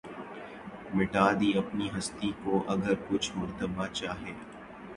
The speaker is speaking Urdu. مٹا دی اپنی ھستی کو اگر کچھ مرتبہ چاھے